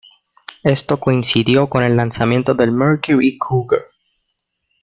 Esto coincidió con el lanzamiento del Mercury Cougar.